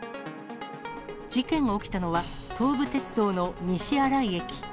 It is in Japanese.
事件が起きたのは、東武鉄道の西新井駅。